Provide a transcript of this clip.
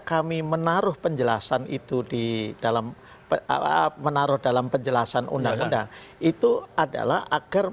kami menaruh penjelasan itu di dalam menaruh dalam penjelasan undang undang itu adalah agar